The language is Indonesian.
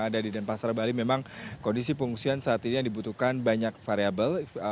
ada di denpasar bali memang kondisi pengungsian saat ini yang dibutuhkan banyak variable